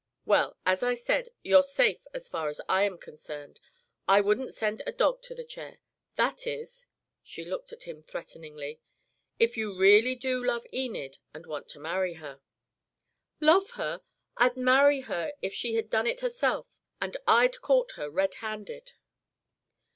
Well, as I said, you're safe as far as I am concerned. I wouldn't send a dog to the chair. That is " she looked at him threateningly, "if you really do love Enid and want to marry her." "Love her? I'd marry her if she had done it herself and I'd caught her red handed."